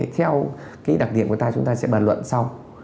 theo đặc điểm của người ta chúng ta sẽ bàn luận sau